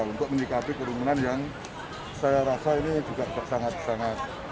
untuk menyikapi kerumunan yang saya rasa ini juga sangat sangat